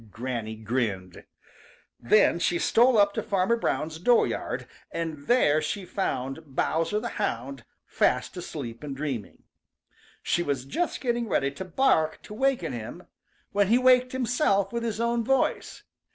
Granny grinned. Then she stole up to Farmer Brown's dooryard, and there she found Bowser the Hound fast asleep and dreaming. She was just getting ready to bark to waken him, when he waked himself with his own voice.